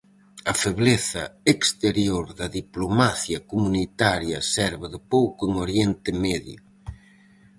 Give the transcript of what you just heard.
A febleza exterior da diplomacia comunitaria serve de pouco en Oriente Medio.